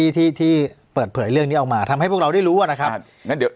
ที่เปิดเผยเรื่องนี้ออกมาทำให้พวกเราได้รู้อ่ะนะครับ